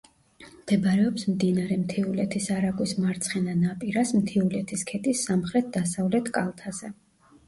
მდებარეობს მდინარე მთიულეთის არაგვის მარცხენა ნაპირას, მთიულეთის ქედის სამხრეთ-დასავლეთ კალთაზე.